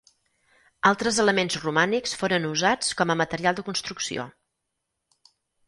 Altres elements romànics foren usats com a material de construcció.